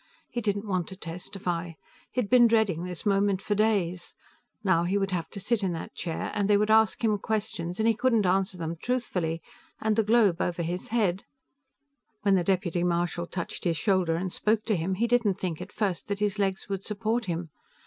He didn't want to testify. He had been dreading this moment for days. Now he would have to sit in that chair, and they would ask him questions, and he couldn't answer them truthfully and the globe over his head When the deputy marshal touched his shoulder and spoke to him, he didn't think, at first, that his legs would support him.